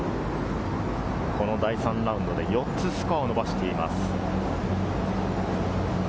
この第３ラウンドで４つスコアを伸ばしています。